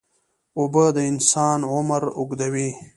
اوبه د انسان عمر اوږدوي.